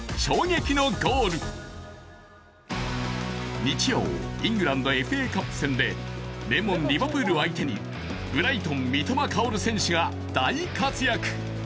日曜、イングランドＦＡカップ戦で名門リヴァプールを相手に、ブライトン三笘薫選手が大活躍。